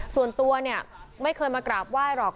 ส่วนตัวเนี่ยไม่เคยมากราบไหว้หรอก